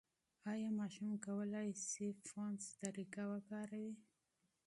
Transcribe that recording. ایا ماشوم کولای شي فونس طریقه وکاروي؟